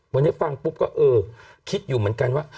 วันนี้ฟังปุ๊บก็เออคิดอยู่เหมือนกันว่า